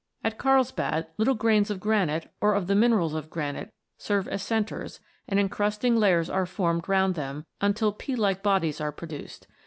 At Karlsbad, little grains of granite, or of the minerals of granite, serve as centres, and encrusting layers are formed round them, until pea like bodies are produced.